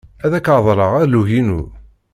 Ad ak-reḍleɣ alug-inu.